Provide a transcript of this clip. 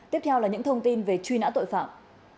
tiếp theo là những thông tin về truy nã tội phạm